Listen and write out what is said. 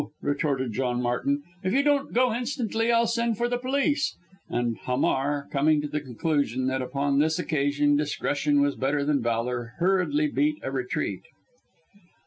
retorted John Martin. "If you don't go instantly I'll send for the police," and Hamar, coming to the conclusion that upon this occasion discretion was better than valour, hurriedly beat a retreat.